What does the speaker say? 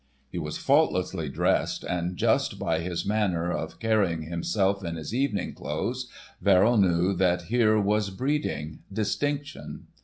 He was faultlessly dressed, and just by his manner of carrying himself in his evening clothes Verrill knew that here was breeding, distinction.